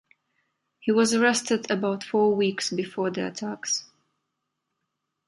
He was arrested about four weeks before the attacks.